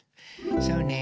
そうね